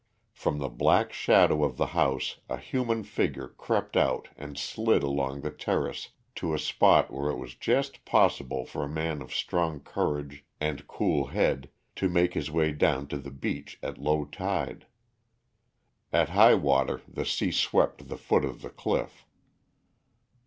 From the black shadow of the house a human figure crept out and slid along the terrace to a spot where it was just possible for a man of strong courage and cool head to make his way down to the beach at low tide. At high water the sea swept the foot of the cliff.